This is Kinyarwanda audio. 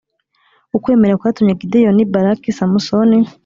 ukwemera kwatumye gideyoni, baraki, samusoni,